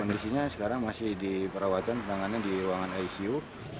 kondisinya sekarang masih diperawatan penanganan di ruangan icu